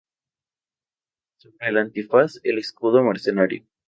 Sobre el antifaz, el escudo mercedario.